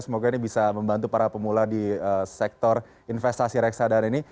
semoga ini bisa membantu para pemula di sektor investasi reksadana ini